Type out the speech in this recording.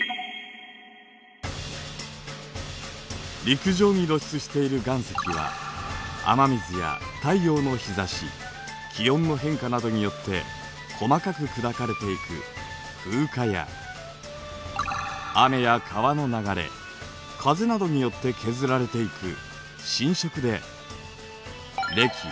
陸上に露出している岩石は雨水や太陽の日差し気温の変化などによって細かく砕かれていく風化や雨や川の流れ風などによって削られていく侵食でれき